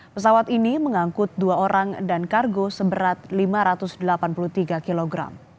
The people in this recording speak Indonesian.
pesawat ini mengangkut dua orang dan kargo seberat lima ratus delapan puluh tiga kg